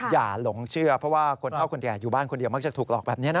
หลงเชื่อเพราะว่าคนเท่าคนแก่อยู่บ้านคนเดียวมักจะถูกหลอกแบบนี้นะ